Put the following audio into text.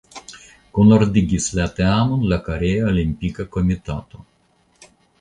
Kunordigis la teamon la Korea Olimpika Komitato.